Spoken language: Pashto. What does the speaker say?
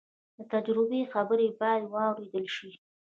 د تجربې خبرې باید واورېدل شي.